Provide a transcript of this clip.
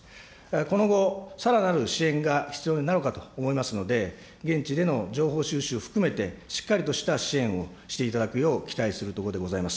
今後、さらなる支援が必要になるかと思いますので、現地での情報収集含めて、しっかりとした支援をしていただくよう、期待するところでございます。